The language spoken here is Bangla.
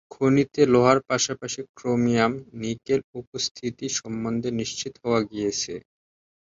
খনিতে লোহার পাশাপাশি ক্রোমিয়াম, নিকেল উপস্থিতি সম্বন্ধে নিশ্চিত হওয়া গিয়েছে।